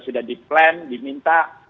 sudah di plan diminta